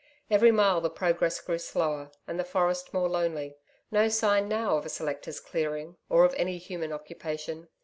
Every mile the progress grew slower and the forest more lonely. No sign now of a selector's clearing, or of any human occupation....